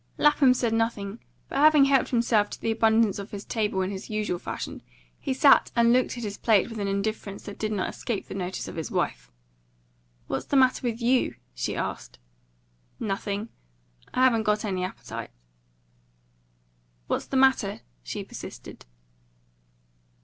Lapham said nothing, but having helped himself to the abundance of his table in his usual fashion, he sat and looked at his plate with an indifference that did not escape the notice of his wife. "What's the matter with YOU?" she asked. "Nothing. I haven't got any appetite." "What's the matter?" she persisted.